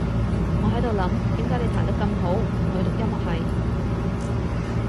我喺度諗，點解你彈得咁好，唔去讀音樂系？